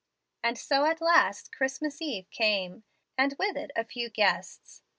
And so at last Christmas eve came; and with it a few guests.